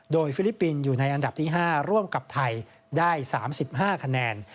โดยฟิลิปปินส์อยู่ในอันดับที่๕ร่วมกับไทยได้๓๕คะแนน